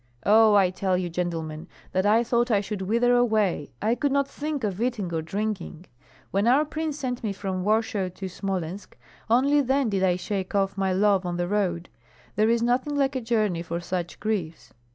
Oh, I tell you, gentlemen, that I thought I should wither away I could not think of eating or drinking. When our prince sent me from Warsaw to Smolensk, only then did I shake off my love on the road. There is nothing like a journey for such griefs.